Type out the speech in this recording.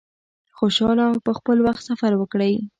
خوشحاله او په خپل وخت سفر وکړی.